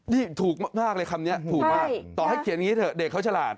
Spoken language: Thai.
นี่ถูกมากเลยคำนี้ถูกมากต่อให้เขียนอย่างนี้เถอะเด็กเขาฉลาด